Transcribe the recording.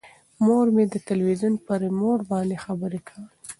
مور یې د تلویزون په ریموټ باندې خبرې کولې.